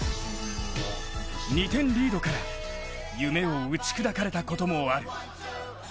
２点リードから夢を打ち砕かれたこともある。